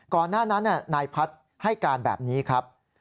ก่อนหน้านั้นนายพัฒน์ให้การแบบนี้ครับ